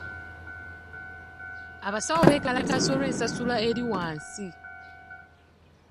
Abasawo beekalakaasa olw'ensasula eri wansi.